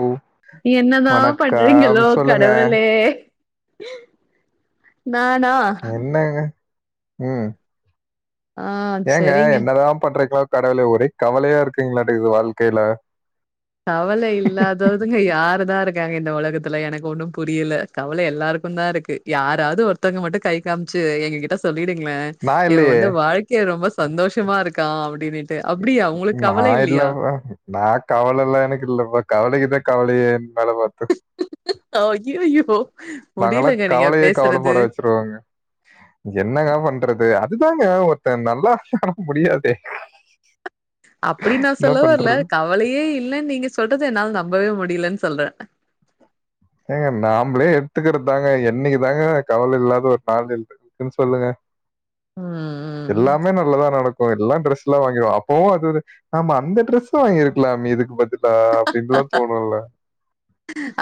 ஆ [unintelligible] என்னதா பண்றீங்களோ கடவுளே நானா என்னங்க ம் ஆ ஏங்க சரிங்க என்னதா பண்றீங்களோ கடவுலே ஒரே கவலையா இருக்கீங்களாட்குது வாழ்க்கையில கவலை இல்லாதோர் அதுங்க யாரு தா இருக்காங்க இந்த உலகத்துல எனக்கு ஒன்னு புரியல கவலை எல்லாருக்கும் தா இருக்கு யாராவது ஒருத்தவங்க மட்டும் கை காமிச்சு எங்க கிட்ட சொல்லிடுங்க நா இவன் இல்லையே வந்து வாழ்க்கைய ரொம்ப சந்தோஷமா இருக்கான் அப்படின்னு அப்டியா உங்களுக்கு நா கவல இல்லையா இல்லப்பா நா கவலல்லா எனக்கு இல்லப்பா கவலைக்கு தா கவலையே என் மேல பாத்து ஐய்யோயோ நாங்கல்லா முடிலங்க நீங்க கவலையே பேசுறது [unintelligible] என்னங்க பண்றது அதுதாங்க ஒருத்த நல்லா [unintelligible] முடியாதே அப்டி நா என்ன சொல்ல வர்ல பண்றது கவலையே இல்லன்னு நீங்க சொல்றது என்னால நம்பவே முடிலன்னு சொல்ற ஏங்க நாம்ளே எடுத்துக்கிறதாங்க என்னைக்கு தாங்க கவல இல்லாத ஒரு நாள் இருக்கு ம் சொல்லுங்க ம் ம் எல்லாமே நல்லதா நடக்கு எல்லா டிரெஸ் லா வாங்கிருவோ அப்பவு அது அது ஆமா அந்த டிரெஸ்ஸு வாங்கிருக்கலாமே இதுக்கு பதில் லா அப்டின்லா தோனுல்ல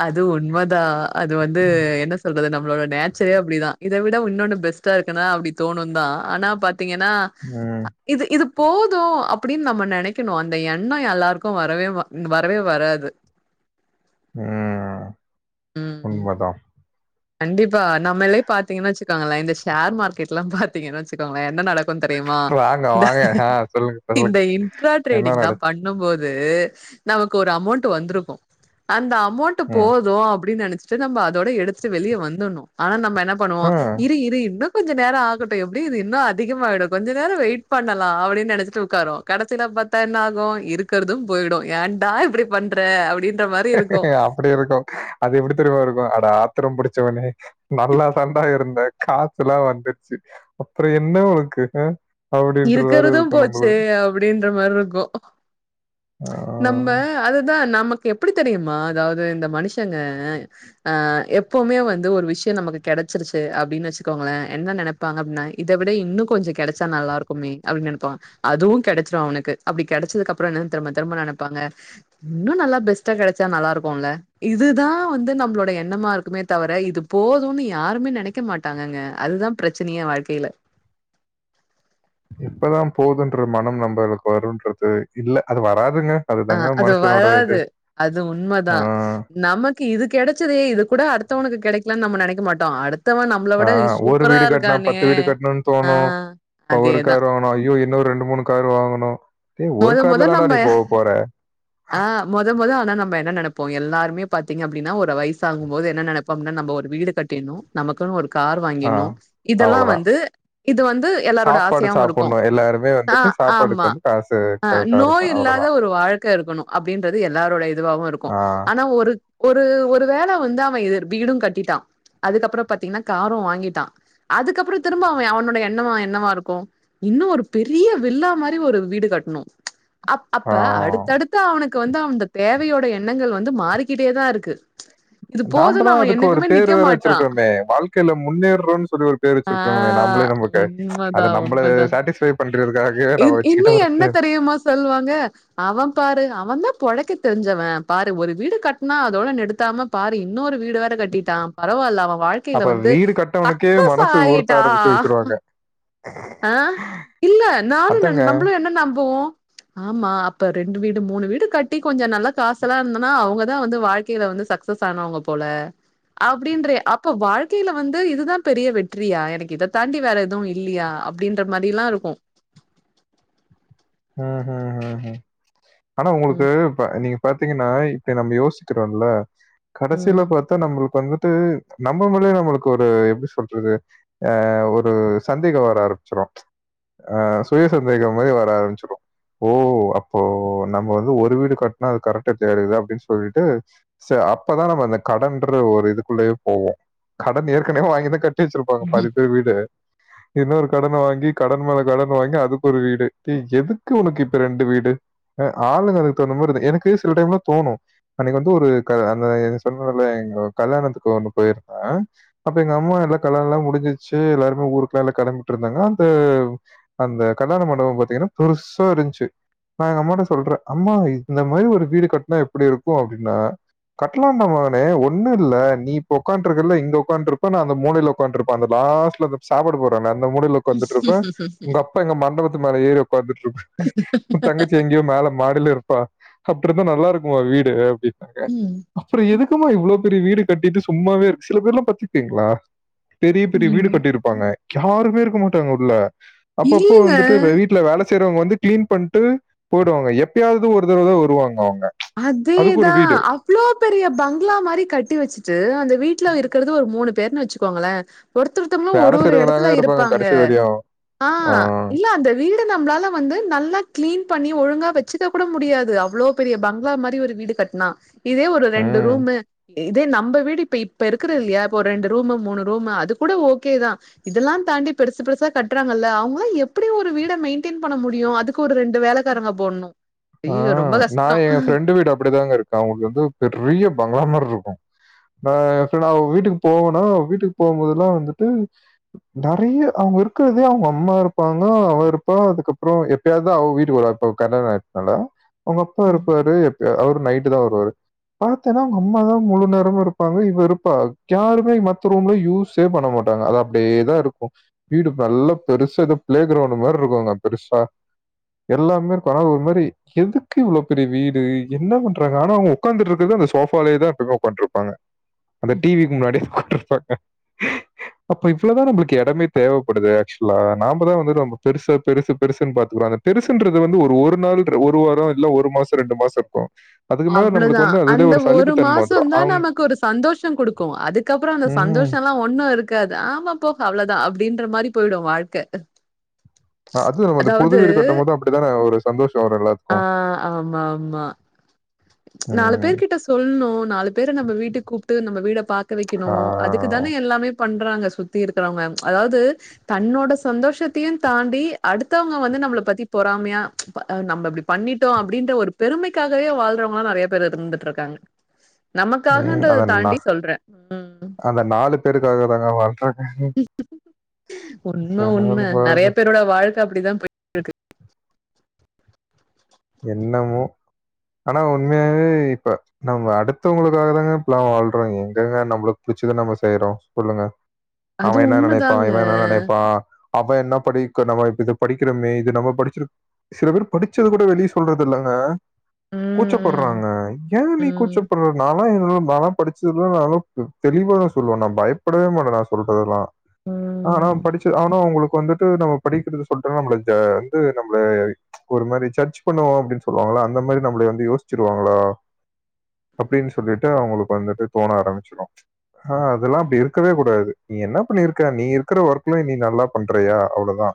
அது உண்மதா அது வந்து என்ன சொல்றது நம்மளோட நே ச்சரே அப்டிதா இத விட உன்னொன்னு பெஸ்ட்டா இருக்குனா அப்டி தோணுதா ஆனா பாத்தீங்கனா ம் இது இது போது அப்டின் நம்ம நெனைக்கணு அந்த எண்ண எல்லாருக்கு வரவே வ ம் வரவே வராது ம் ம். உண்மதா கண்டிப்பா நம்மளே பாத்தீங்கனா வெச்சுக்கோங்களே இந்த ஷேர் மார்க்கெட்லா பாத்தீங்கனா வெச்சுக்கோங்களே என்ன நடக் க்கும் தெரியுமா வாங்க, இந்த வாங்க. ஆ சொல்லுங்க, சொல்லுங்க. இந்த என்ன இன்ட்ராட்ரேடிங்லா நடந்துச்சு? பண் ணும் போது நமக்கு ஒரு அமௌண்ட் வந்துருக்கு அந்த அமௌண்ட் ட்டு ம். போது அப்டின் நெனச்சிட்டு நம்ப அதோட எடுத்துட்டு வெளிய வந்துர்ணு ஆனா நம்ம என்னப் பண்ணுவோ ம். இரு இரு இன்னு கொஞ்ச நேர ஆகட்டு எப்டியு இது இன்னு அதிகமாயிடு கொஞ்ச நேர வெயிட் பண்ணலா அப்டின் நெனச்சிட்டு உக்காருவோ கடச்சில பாத்தா என்ன ஆகு இருக்கறது போயிடு ஏன்டா இப்டிப் பண்ற அப்டின்ற மாரி இருக்கு அப்டி இருக்கு அது எப்டி தெரியுமா இருக்கு அட ஆத்தரம் புடிச்சவனே நல்லா தாண்டா இருந்தே காசுலா வந்துர்ச்சு அப்ற என்ன ஒனக்கு ஹ இருக்கறது போச்சே அப்டின்ற மார்ருக்கு ஆ. நம்ம அதுதா நமக்கு எப்டி தெரியுமா அதாவ்து இந்த மனுஷங்க ஆ எப்பவுமே வந்து ஒரு விஷ்ய நமக்கு கெடச்சிருச்சு அப்டின் வச்சுக்கோங்களே என்ன நெனப் ப்பாங்க அப்டினா இத விட இன்னு கொஞ்ச கெடச்சா நல்லா இருக் க்குமே அப்டின் நெனப்பாங்க அதுவு கெடச்சிரு அவனுக்கு அப்டி கெடச்சதுக்கப்பற என்னன் திரும்ப திரும்ப நெனப்பாங்க இன்னு நல்லா பெஸ்ட்டா கெடச்சா நல்லாருக்குல்ல இதுதா வந்து நம்மளோட எண்ணமா இருக்குமே தவர இது போதுனு யாருமே நெனைக்க மாட்டாங்கங்க அதுதா பிரச்சனையே வாழ்க்கைல எப்பதா போதுன்ற மனம் நம்பளுக்கு வருன்றது இல்ல அது வராதுங்க ஆ அதுதாங்க அது மனுஷனோட இது. வராது அது உண்மதா ஆ, நமக் கு இது கெடச்சதே இது கூட அடுத்தவனுக்கு கெடைக்கலன் நம்ம நெனைக்க மாட்டோ அடுத் ஆ ஒரு வீடு கட்னா பத்து வீடு கட்ணுன் ஆ தோணு இப்ப ஒரு அதேதா காரு வாங்குனா ஐயயோ இன்னு ரெண்டு மூணு காரு வாங்கணு டே ஒரு மொத மொத கார்ல தாண்டா நம்ம நீ போக போற ஆ மொத மொத ஆனா நம்ம என்ன நெனப்போ எல்லாருமே பாத்தீங்க அப்டினா ஒரு வயசாகும் போது என்ன நெனப் பம்னா நம்ப ஒரு வீடு கட்டிர்ணு நமக்குன்னு ஒரு கார் ஆ வாங்கிர்னு இதெல்லா அவ்வளதான். வந்து இது வந்து எல்லாரோட ஆசையாவு இருக் பொண்ணு எல்லாருமே வந்துட்டு சாப்பாடுக்கு வந்து காசு ஆ கரெக்ட்டா நோய் இருக்கணும். இல்லாத அவ்வளதான். ஒரு வாழ்க்க இருக்கணு அப்டின்றது எல்லாரோட இதுவாவு இருக்கு ஆ, ஆனா ஒரு ஒரு ஒரு வேல வந்து அவ இர் வீடு கட்டிட்டா அதுக்கப்றோ பாத்தீங்கனா காரு வாங்கிட்டா அதுக்கப்றோ திரும்ப அவ அவனோட எண்ணோவு என்னவா இருக்கு இன்னு ஒரு பெரிய வில்லா மாரி ஒரு வீடு கட்ணு அப் அப்ப ஆ. அடுத் தடுத்து அவனுக்கு வந்து அந்த தேவையோட எண்ணங்கள் வந்து மாறிக்கிட்டேதா இருக்கு இது போதுன்னு நாம்பதா அவன் அதுக்கு ஒரு என்னைக்குமே பேரு நிக்க வேற மாட்றான். வெச்சிருக்கோமே வாழ்க்கைல முன்னேற்றோன்னு சொல்லி ஒரு பேரு ஆ வெச்சுருக்கோங்க நம்பளே நமக்கு அத உண்மதான், நம்பள உண்மதான். சாட்டிஸ்ஃபை பண்றதுக்காகயே நம்ம வெச்சுக்கிட்ட ஒரு பேரு இப்பயுமா சொல்லுவாங்க அவ பாரு அவன்தா பொழைக்க தெரிஞ்சவ பாரு ஒரு வீடு கட்னா அதோட நிறுத்தாம பாரு இன்னோரு வீடு வேற கட்டிட்டான் பரவால்ல அவ வாழ்க்கையில அப்ப வந்து வீடு கட்டவனுக்கே சக்சஸ் மனசு உறுத்த ஆயிட்டா ஆரம்பிச்சு வச்சுருவாங்க. ஆ இல்ல நானும் நன் அதாங்க. நம்பளு என்ன நம்புவோ ம்ச் ஆமா அப்ப ரெண்டு வீடு மூணு வீடு கட்டி கொஞ்ச நல்லா காசுலா இருந்துனா அவுங்கதா வந்து வாழ்க்கையில வந்து சக்ஸ் சக்சஸ் ஆனவங்கபோல அப்டின்றே அப்ப வாழ்க்கையில வந்து இதுதா பெரிய வெற்றியா எனக்கு இத தாண்டி வேற எதுவும் இல்லையா அப்டின்ற மாரில்லா இருக்கு ஹ்ம் ஹ்ம் ஹ்ம் ஹ்ம் ஆனா ம் உங்களுக்கு இப்ப நீங்க பாத்தீங்கன்னா இப்ப நம்ப யோசிக்கிறோல்ல கடசில ம் பாத்தா நம்புளுக்கு வந்துட்டு நம்ப மேலயே நம்பளுக்கு ஒரு எப்டி சொல்றது ஆ ஒரு சந்தேகம் வர ஆரம்பிச்சிரு ம்ச் ஆ சுய சந்தேகம் மாரி வர ஆரம்பிச்சி ஓ அப்போ நம்ம வந்து ஒரு வீடு கட்னா அது கரெட்டா தேறது அப்டின் சொல்ட்டு ச அப்பதா நம்ம அந்த கடன்ற ஒரு இதுக்குள்ளயே போவோ கடன் ஏற்கனவே வாங்கிதா கட்ட கட்டிவச்சிருப்பாங்க பாதி பேர் வீடு இன்னொரு கடன வாங்கி கடன் மேல கடன் வாங்கி அதுக்கு ஒரு வீடு ஏ எதுக் க்கு உனக்கு இப்ப ரெண்டு வீடு ம் ஆளுங்க அதுக்கு தவுந்த மா [unintelligible] எனக்கு சில டைம்லா தோணு அன்னக்கி வந்து ஒரு க அந்த எது சொல்வேல எங்க கல்யாணத்துக்கு வந்து பேயிருந்த அப்ப எங்க அம்மா எல்லா கல்லாணலா முடிஞ்ச்சிருச்சி எல்லாருமே ஊருக்குலா எல்லா களம்பிட்ருந்தாங்க அந்த அந்த கல்யாண மண்டபம் பாத்தீங்கன்னா பெருசா இருஞ்ச்சு நா எங்க அம்மாட்ட சொல்ற அம்மா இந்த மாரி ஒரு வீடு கட்னா எப்புடி இருக்கு அப்படின்னா கட்லாண்ட மகனே ஒண்ணு இல்ல நீ இப்ப உக்காண்ட்ருக்கல்ல இங்க உக்காண்ட்ருப்ப நா அந்த மூலையில ஒக் உக்காண்ட்ருப்ப அந்த லாஸ்ட்ல சாப்பாடு போடுறானே அந்த மூலைல ஒக் உக்காந்துட்ருப்ப உங்க அப்பா எங்க மண்டபத்து மேல ஏறி உக்காந்துட்ருப்பாரு உ தங்கச்சி எங் இவ மேல மாடில இருப்பா அப்ட்ருந்தா நல்லா இருக்குமா வீடு அப்டினாங்க ம் அப்புறோ எதுக்குமா இவ்ளோ பெரிய வீடு கட்டிட்டு சும்மாவே இருக்கு சில பேர்லா பாத்தித்திங்ளா பெரிய பெரிய வீடு ம் கட்டிருப்பாங்க யாருமே இருக்க மாட்டாங்க உள்ள அப்பப்போ இல்லங்க வந்துட்டு வே வீட்ல வேலஸ் செய்றவங்க வந்து கிளீன் பண்ட்டு போயிடுவாங்க எப்பயாவது ஒரு தடவதா வருவாங்க அவுங்க அதேதா அப் இவ்ளோ பெரிய பங்களா மாரி கட்டி வச்சுட்டு அந்த வீட்ல இருக்குறது ஒரு மூணு பேர்ன்னு வச்சுக்கோங்களே ஒருத்தருத்தவங்களு வேல ஒரு ஒரு செய்றவங்க எடத்துல தாங்க இருப்பாங்க கடைசி வரையும். ஆ இல்ல அந்த வீ டு நம்ளால வந்து நல்லா கிளீன் பண்ணி ஒழுங்கா வச்சுக்க கூட முடியாது அவ்ளோ பெரிய பங் களா மாரி ஒரு வீடு கட்னா இதே ஒரு ம். ரெண்டு ம். ரூமு இதே நம்ம வீடு இப்ப இப்ப இருக்குறோ இல்லையா இப்ப ரெண்டு ரூமு மூணு ரூமு அது கூட ஓகே தா இதெல்லா தாண்டி பெருசு பெருசா கட்றாங்கல்ல அவுங்களா எப்டி ஒரு வீட மெயின்டெயின் பண்ண முடியு அதுக் கு ஒரு ரெண்டு வேலைக்காரங்க போடணு ஆ நா ஏ ஃப்ரெண்டு வீடு அப்டிதாங்க இருக்கு அவங்கள்து வந்து பெரிய பங்களா மார்ருக்கு நா எப்பனா அவுங்க வீட்டுக்கு போவேனா வீட்டுக்கு போம்போதெல்லா வந்துட்டு நெறைய அவுங்க இருக்கிறதே அவுங்க அம்மா இருப்பாங்க அவே இருப்பா அதுக்கப்புறோ எப் எப்பயாவது தா அவங்க வீட்டுக்கு வராரு இப்ப கல்யாணோ ஆயிருச்சுனால அவுங்க அப்பா இருப்பாரு எப்யா அவரு நைட்டு தா வருவாரு பாத்தேன்னா அவுங்க அம்மாதா முழு நேரமு இருப்பாங்க இவ இருப்பா யாருமே மத்த ரூம்லா யூஸ் சேவ் பண்ண மாட்டாங்க அது அப்டியேதா இருக்கும் வீடுப்பல்லா பெருசா எதோப் பிளே கிரௌண்டு மார்ருக்குங்க பெருசா எல்லாமே ஒரு கணவுமர் எ எதுக்கு இவ்ளோ பெரிய வீடு என்ன பண்றாங்க ஆனா அவுங்க உக்காந்துட்டு இருக்கறது அந்த சோஃபாலயேதா எப்பமே உக்காண்ட்ருப் பாங்க அந்த டி விக்கு முன்னாடியே உக்காண்ட்ருப்பாங்க அப்ப இவ்ளோதா நம்புளுக்கு எடமே தேவப்படுது ஆக்சுவலா நாமதா வந்து நம்ப பெருசா பெருசு பெருசுன் பாத்துக்குறோ அத பெருசுன்றது வந்து ஒரு ஒரு நாள் ஒரு வாரோ இல்ல ஒரு மாச ரெண்டு மாச இருப்போ அதுக்கு மேல அவ்ளோதா நம்மளுக்கு வந்து அதிலயே அந்த ஒரு வந்துரும். மாசந்தா அவங்க நமக்கு ஒரு சந்தோஷ குடுக்கு அதுக்கப்றோ அந்த ம்ஹ்ம். சந்தோஷல்லா ஒன்னு இருக்காது ஆமா போப்பா அவ்ளோதா அப்டின்ற மாரி போய்டு வாழ்க்க அது நம்ம அந்த புது அதாவது வீடு கட்டும்போது அப்படிதானே ஒரு சந்தோஷம் வரும் ஆ எல்லாத்துக்கும். ஆமா ஆமா நாலு ம். பேர் கிட்ட சொல்ணு நாலு பேர நம்ம வீட்டுக் கூப்ட்டு நம்ம வீட பாக்க வைக்கணு ஆ. அது க்கு தானே எல்லாமே பண்றாங்க சுத்தி இருக்குறவங்க அதாவது தன்னோட சந்தோஷத்தையு தாண்டி அடுத்தவங்க வந்து நம்மள பத்தி பொறாமையா நம்ம இப்டி பண்ணிட்டோ அப்டின்ற ஒரு பெருமைக்காகவே வாழ் இருக்குறவுங்களு நெறய பேர் இருந்துட்டு இருக்காங்க ம். அத நமக்காகன்றத நா தாண்டி சொல்ற அந்த நாலு பேருக்காக தாங்க வாழ்ற உண்ம உண்ம நெறய சார்பாக பேரோட வாழ்க்க அப்டிதா போய் என்னமோ ஆனா உண்மையாவே இப்ப நம்ம அடுத்தவங்களுக்காக தாங்க இப்பல்லா வாழ்றோ எங்கங்க நம்மளுக்கு புடிச்சத நம்ம செய்றோ சொல்லுங்க அது அவே என்ன நெனைப்பா உண்மதாங்க. இவ என்ன நெனைப்பா அவ என்ன படிக்க நம்ம இப்ப இத படிக்கிறமே இது நம்ம படிச்சிரு சில பேர் படிச்சத கூட வெளிய சொல்றது இல்லங்க ம், கூச்சப்படுறாங்க ஏ நீ ம், கூச்சப்படுற நா ஆ என்ன நாலா படிச்சதுல்லா நாலா தெளிவா சொல்லுவே நா பயப்படவே மாட்டே நா சொல்றதெல்லா ம், ஆனா ம், படிச்சு ஆனா அவுங்களுக்கு வந்துட்டு நம்ம படிக்கறத சொல்ட்டா நம்மள ஜ வந்து நம்மள ஒரு மாரி ஜட்ஜ் பண்ணுவோ அப்டின் சொல்லுவாங்கள அந்த மாரி நம்மள வந்து யோசிச்சுருவாங்களா அப்டின் சொல்லிட்டு அவுங்களுக்கு வந்துட்டு தோண ஆரம்பிச்சிடு ஆ அதெல்லா அப்டி இருக்கவே கூடாது நீ என்ன பண்ணிருக்க நீ இருக்கிற ஒர்க்ல நீ நல்லா பண்றியா அவ்ளோதா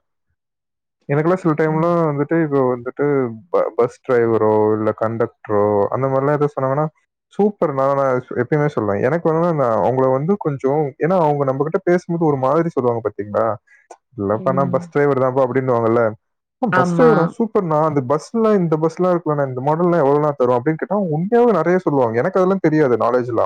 எனக்குலா சில ம், டைம்லா வந்துட்டு இப்ப வந்துட்டு பஸ் டிரைவரோ இல்ல கண்டக்டரோ அந்த மாரில்லா எது சொன்னாங்கனா சூப்பர் நா நா எப்பயுமே சொல்லுவ எனக்கு வந்துனா நா அவங்கள வந்து கொஞ்சோ ஏன்னா அவுங்க நம்மகிட்ட பேசுபோது ஒரு மாதிரி சொல்லுவாங்க பாத்தீங்ளா இல்லப்பா நா ம். பஸ் டிரைவர் தான்ப்பா அப்டின்னுவாங்கல்ல ஆ பஸ் ஆமா. டிரைவரா சூப்பர்னா அந்த பஸ் ல இந்த பஸ்லா இருக்குல்ல இந்த மாடல்லா எவ்ளோனா தருவா அப்டினு கேட்டா உண்மையாவே நெறய சொல்லுவாங்க எனக்கு அதெல்லா தெரியாது நாலேஜ்லா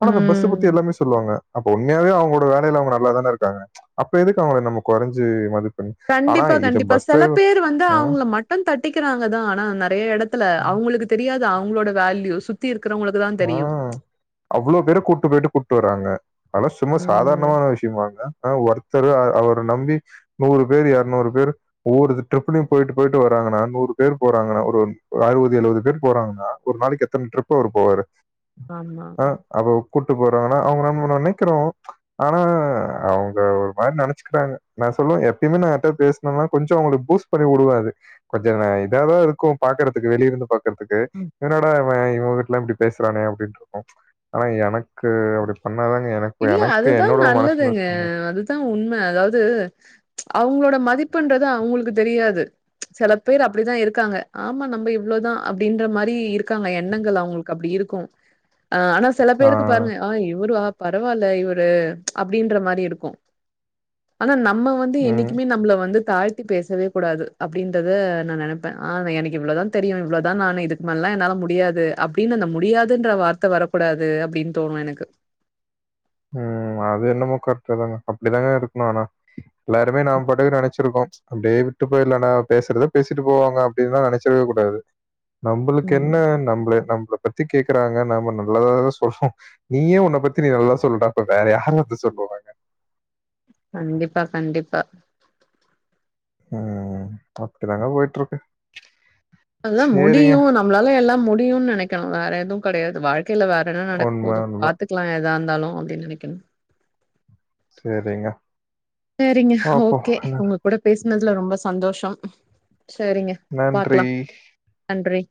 ஆனா அந்த பஸ்ஸ ம். பத்தி எல்லாமே சொல்லுவாங்க அப்ப உண்மையாவே அவுங்களோட வேலைல அவுங்க நல்லாதானே இருக்காங்க அப்ப எதுக்கு அவுங்கள நம்ம கொறஞ்சு மதி கண்டிப்பா கண்டிப்பா செல பேர் வந்து ஆ அவுங்கள மட்ட மட்ட தட்டிக்கிறாங்க தா ஆனா நெறய இடத்துல அவுங்களுக்கு தெரியாது அவுங்களோட வேல்யூ சுத்தி இருக்கிறவங்கள குதா தெரியு ஆ அவ்ளோ பேர கூட்டு போய்ட்டு கூட்டு வறாங்க அதலா சும்மா ம். சாதாரணமான விஷயமாங்க ஆ ஒருத்தர அவர நம்பி நூறு பேரு எரநூறு பேரு ஒவ்வொரு ட்ரிப்லு போய்ட்டு போயிட்டு வராங்கனா நூறு பேரு போறாங்கனா ஒரு அறுபது எழுபது பேர் போறாங்கனா ஒரு நாளைக்கு எத்தன டிரிப்பு அவரு போவாரு ஆமா ஆ அப்ப கூட்டு போறாங்கனா அவுங்க நம்ம நெனக்கிறோ ஆனா அவுங்க ஒரு மாரி நெனச்சுக்கிட்டாங்க நா சொல்லுவ நா எப்பயுமே நா யார்ட்டயாவது பேசனனா கொஞ்சோ அவுங்களுக்கு பூஸ் கொஞ்சோ உடுவ அது கொஞ்சோ இதாதா இருக்கு பாக்கறதுக்கு வெளிய இருந்து பாக் கறதுக்கு ம். என்னடா இவன் இவன் வீட்லா இப்டி பேசுறானே அப்டின்ருக்கு ஆனா எனக்கு அப்டி பண்ணாதாங்க எனக்கு இல்ல எனக்கு அதுதா என்னோட மனசு நல்லதுங்க வந்து அதுதா உண்ம அதாவது அவுங்களோட மதிப்புன்றது அவுங்களுக்கு தெரியாது செல பேர் அப்டிதா இருக்காங்க ஆமா நம்ம இவ்ளோ தா அப்டின்ற மாரி இருக்காங்க எண்ணங்கள் அவுங்களுக்கு அப்டி இருக்கும் ஆ ஆனா செல ஆ. பேருக்கு பாருங்க ஆ இவ்ரா பரவால்ல இவரு அப்டின்ற மாரி இருக்கு ஆனா நம்ம நம்ம வந்து ம். என்னைக்குமே நம்ள வந்து தாழ்த் தி பேசவே கூடாது அப்டின்றத நா நெனப்பே ஆ எனக்கு இவ்ளோதா தெரியு இவ்ளோதா நானு இது மாரில்லா என்னால முடியாது அப்டின்னு அந்த முடியாதுன்ற வார்த்த வரக்கூடாது அப்டின் தோணு எனக்கு ம் அது என்னமோ கரெக்ட் தாங்க அப்டிதாங்க இருக்கணு ஆனா எல்லாருமே நாம் பாட்டுக்கு நெனச்சிருக்கோ அப்டியே விட்டு போயிரலன்னா பேசுறத பேசிட்டு போவாங்க அப்டின்தா நெனச்சிரவே கூடாது நம்ளுக்கு ம் என்ன நம்மெல நம்பள பத்தி கேக்குறாங்க நாம நல்லததா சொல்றோ நீயே உன்ன பத்தி நீ நல்லா சொ சொல்டாப்ப வேற யார் வந்து சொல்லுவாங்க கண்டிப்பா கண்டிப்பா ம் அப்டி தாங்க போய்ட்டு இருக்கு அதுதா முடியு நம்ளால எல்லா முடியும்னு நெனக்கணு வேற எதுவு கெடையாது வாழ்க்கையில வேற என்ன நடக்க உண்ம, போது உண்ம. பாத்துக்கலா எதா இருந்தாலு அப்டின்னு நெனக்கணும் சரிங்க. சேரிங்க பாப்போம். ஓக்கே ஒங்க கூட பேசினதுல ரொம்ப சந்தோஷம் சேரிங்க நன்றி நன்றி